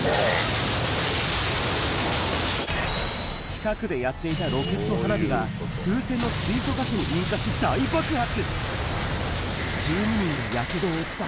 近くでやっていたロケット花火が、風船の水素ガスに引火し、大爆発。